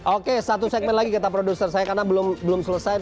oke satu segmen lagi kata produser saya karena belum selesai